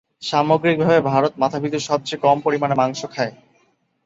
সামগ্রিকভাবে, ভারত মাথাপিছু সবচেয়ে কম পরিমাণে মাংস খায়।